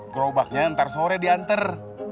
grobaknya ntar sore diantar